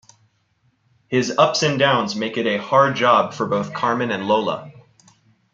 His ups and downs make it a hard job for both Carmen and Lola.